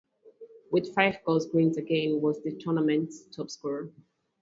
With five goals Grings again was the tournament's top-scorer.